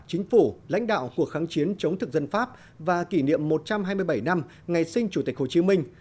chính phủ lãnh đạo cuộc kháng chiến chống thực dân pháp và kỷ niệm một trăm hai mươi bảy năm ngày sinh chủ tịch hồ chí minh